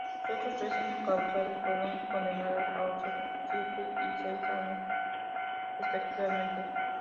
Los otros tres encausados fueron condenados a ocho, siete y seis años, respectivamente.